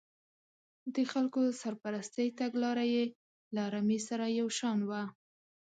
د خلکو سرپرستۍ تګلاره یې له رمې سره یو شان وه.